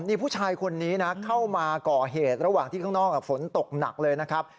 นี่ผู้ชายคนนี้นะเข้ามาก่อเหตุระหว่างที่ข้างนอกฝนตกหนักเลยนะครับ